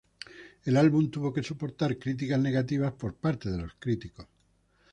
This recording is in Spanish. El álbum tuvo que soportar críticas negativas por parte de los críticos.